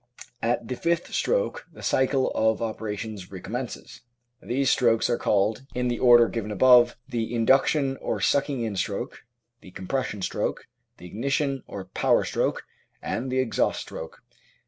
At the fifth stroke the cycle of operations recom mences. These strokes are called, in the order given above, the induction or sucking in stroke, the compression stroke, the igni tion or power stroke, and the exhaust stroke.